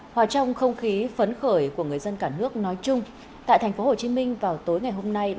hãy đăng ký kênh để ủng hộ kênh của mình nhé